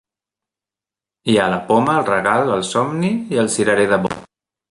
Hi ha la poma, el regal, el somni i el cirerer de Bod.